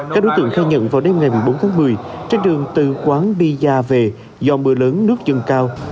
các đối tượng khai nhận vào đêm ngày một mươi bốn tháng một mươi trên đường từ quán bia về do mưa lớn nước dâng cao